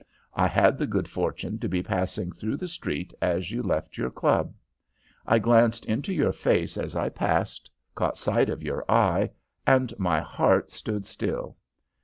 I had the good fortune to be passing through the street as you left your club. I glanced into your face as I passed, caught sight of your eye, and my heart stood still.